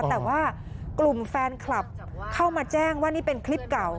แต่ว่ากลุ่มแฟนคลับเข้ามาแจ้งว่านี่เป็นคลิปเก่า